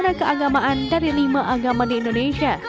mereka juga mengenakan busana keagamaan dari lima agama di indonesia